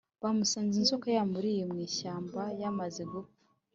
Bamusanze inzoka yamuririye mu ishyamba yamaze gupfa